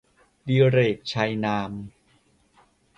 ดิเรก ชัยนาม